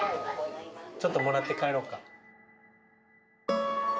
ちょっともらって帰ろうか。